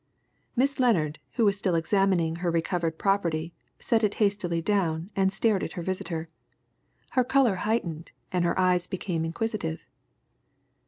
Miss Lennard, who was still examining her recovered property, set it hastily down and stared at her visitor. Her colour heightened, and her eyes became inquisitive.